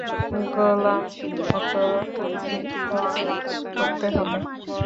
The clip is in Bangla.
গোলামের মতো ফুটফরমাশ করতে হবে।